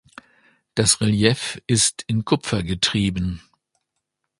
Das Relief ist in Kupfer getrieben.